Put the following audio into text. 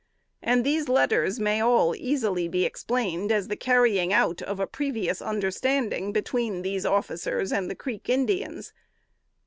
And these letters may all easily be explained, as the carrying out of a previous understanding between these officers and the Creek Indians.